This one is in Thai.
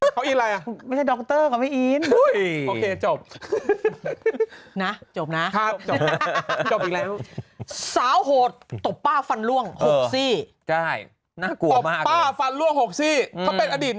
เขาอินหรอกเขาอินอะไรนะไม่ใช่ดรก็ไม่อิน